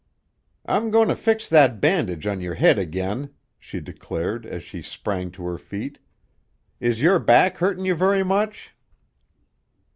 "I'm goin' to fix that bandage on your head again," she declared as she sprang to her feet. "Is your back hurtin' you very much?"